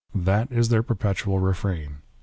That is their perpetual refrain.'